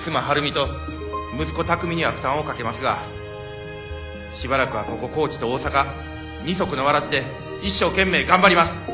妻晴美と息子巧海には負担をかけますがしばらくはここ高知と大阪二足のわらじで一生懸命頑張ります！